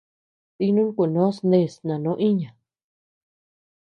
Dínu kuinós ndes nanó iña.